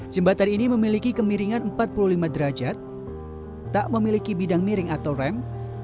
jembatan ini memiliki kemiringan empat puluh lima derajat tak memiliki bidang miring atau rem